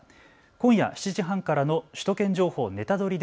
今夜７時半からの首都圏情報ネタドリ！